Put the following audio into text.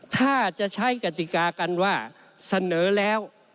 ถ้าจะใช้กติกากันว่าเสนอแล้ว